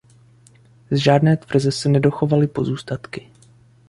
Z žádné tvrze se nedochovaly pozůstatky.